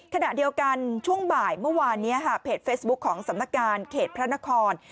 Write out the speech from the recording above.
ขณะเดียวกันช่วงบ่ายเมื่อวานนี้เพจเฟซบุ๊คของสำนักการเขตพระนคร